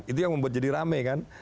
itu yang membuat jadi rame kan